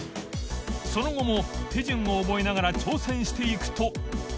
磴修慮紊手順を覚えながら挑戦していくと森川）